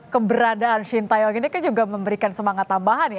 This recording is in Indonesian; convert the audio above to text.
keberadaan shin taeyong ini kan juga memberikan semangat tambahan ya